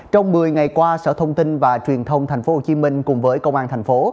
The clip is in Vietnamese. trong một mươi ngày qua sở thông tin và truyền thông tp hcm cùng với công an thành phố